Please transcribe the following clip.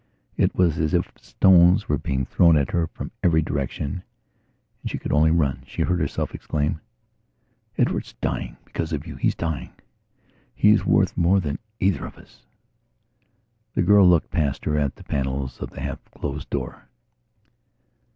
It was as if stones were being thrown at her from every direction and she could only run. She heard herself exclaim: "Edward's dyingbecause of you. He's dying. He's worth more than either of us...." The girl looked past her at the panels of the half closed door.